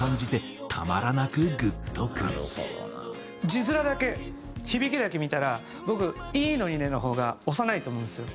字面だけ響きだけ見たら僕「いいのにね」の方が幼いと思うんですよ。